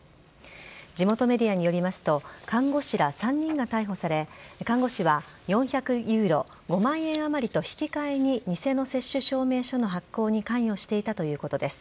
地元メディアによりますと、看護師ら３人が逮捕され、看護師は４００ユーロ、５万円余りと引き換えに偽の接種証明書の発行に関与していたということです。